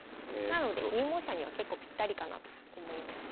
なので入門者には結構ピッタリかなと思います。